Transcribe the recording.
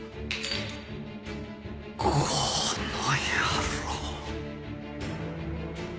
この野郎！